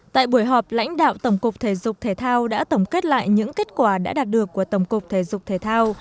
tại buổi họp lãnh đạo tổng cục thể dục thể thao đã tổng kết lại những kết quả đã đạt được của tổng cục thể dục thể thao